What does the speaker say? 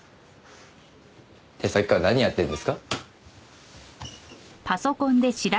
ってさっきから何やってるんですか？